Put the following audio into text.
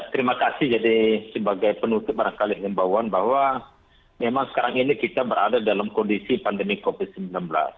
terima kasih jadi sebagai penutup barangkali himbauan bahwa memang sekarang ini kita berada dalam kondisi pandemi covid sembilan belas